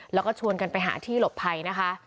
แล้วก็ชวนกันไปหาที่หลบภัยนะคะ